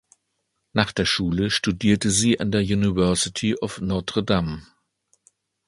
Nach der Schule studierte sie an der University of Notre Dame.